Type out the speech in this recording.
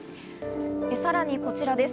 さらに、こちらです。